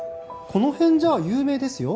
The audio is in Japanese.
この辺じゃ有名ですよ